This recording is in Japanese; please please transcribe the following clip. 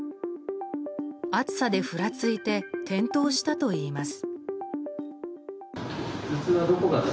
暑さでふらついて転倒したといいます。